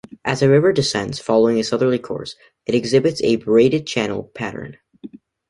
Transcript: As the river descends following a southerly course, it exhibits a braided channel pattern.